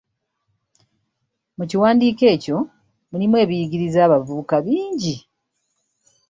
Mu kiwandiiko ekyo mulimu ebiyigiriza abavubuka bingi.